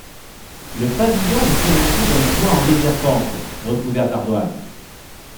Le pavillon est surmonté d'un toit en légère pente, recouvert d'ardoises.